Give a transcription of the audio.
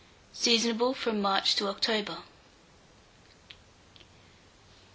Seasonable from March to October.